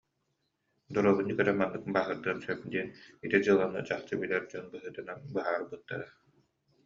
Дорубуонньук эрэ маннык бааһырдыан сөп диэн ити дьыаланы чахчы билэр дьон быһыытынан быһаарбыттара